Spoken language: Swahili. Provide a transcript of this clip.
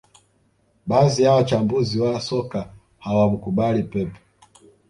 Baadhi ya wachambuzi wa soka hawamkubali Pep